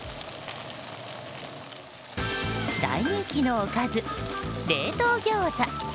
大人気のおかず冷凍ギョーザ。